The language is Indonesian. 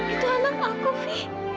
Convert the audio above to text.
itu anak aku vi